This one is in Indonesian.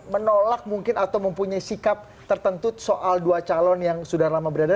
menolak mungkin atau mempunyai sikap tertentu soal dua calon yang sudah lama berada